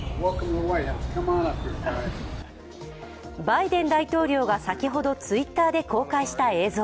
バイデン大統領が先ほどＴｗｉｔｔｅｒで公開した映像。